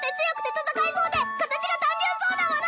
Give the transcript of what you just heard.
戦えそうで形が単純そうなもの